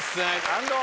安藤！